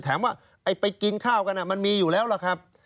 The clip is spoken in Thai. ถามว่าไอ้ไปกินข้าวกันมันมีอยู่แล้วล่ะครับ